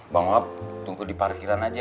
bang uap tunggu di parkiran aja